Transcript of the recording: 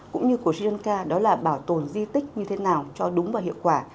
cũng như của sri lanka đó là bảo tồn di tích như thế nào cho đúng và hiệu quả